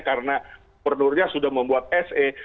karena pernurnya sudah membuat se